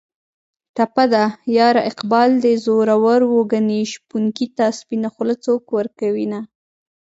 ټپه ده: یاره اقبال دې زورور و ګني شپونکي ته سپینه خوله څوک ورکوینه